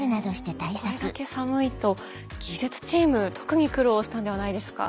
これだけ寒いと技術チーム特に苦労したんではないですか？